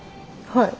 はい。